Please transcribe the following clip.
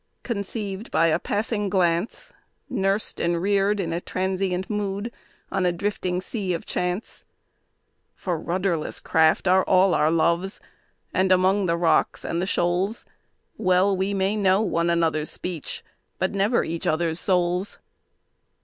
Conceived by a passing glance, Nursed and reared in a transient mood, on a drifting Sea of Chance. For rudderless craft are all our loves, among the rocks and the shoals, Well we may know one another's speech, but never each other's souls.